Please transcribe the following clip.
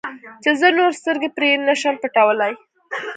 چې زه نور سترګې پرې نه شم پټولی.